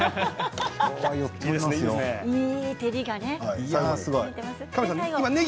いい照りがね。